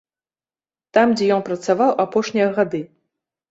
Там, дзе ён працаваў апошнія гады.